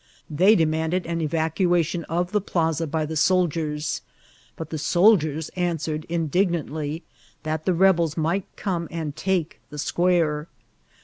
They de manded an eracuation of the pkza by the soldiers ; but the soldiers answered, indignantly, that the rebels might come and take the square.